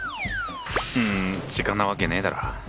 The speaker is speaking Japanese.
うん痴漢なわけねえだろ。